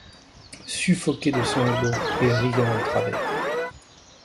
Suffoqué de sanglots et riant au travers.